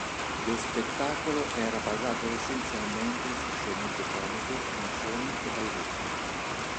Lo spettacolo era basato essenzialmente su scenette comiche, canzoni e balletti.